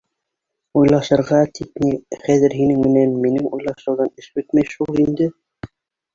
— Уйлашырға тип ни, хәҙер һинең менән минең уйлашыуҙан эш бөтмәй шул инде.